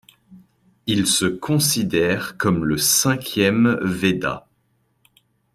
Il se considère comme le cinquième Veda.